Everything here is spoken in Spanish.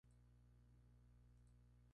Es hermano del actual jugador Sterling Brown.